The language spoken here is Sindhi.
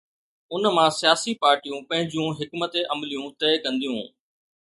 ان مان سياسي پارٽيون پنهنجون حڪمت عمليون طئي ڪنديون.